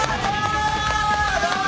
どうも。